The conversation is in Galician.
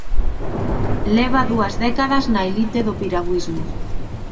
Leva dúas décadas na elite do piragüismo.